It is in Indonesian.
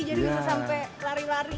jadi bisa sampai lari lari